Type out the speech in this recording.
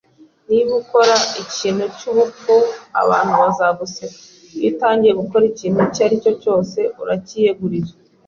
Niba ukora ikintu cyubupfu, abantu bazaguseka. Iyo atangiye gukora ikintu icyo aricyo cyose, aracyiyegurira.